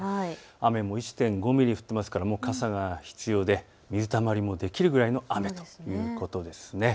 雨も１．５ミリ降っていますから傘が必要で水たまりもできるくらいの雨ということです。